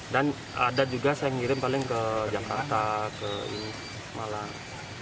dan ada juga yang saya ngirim paling ke jakarta ke malang